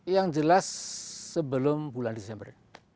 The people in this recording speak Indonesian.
saya kira yang jelas sebelum bulan desember